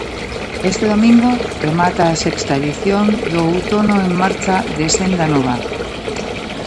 Este domingo remata a sexta edición do outono en marcha de Senda Nova.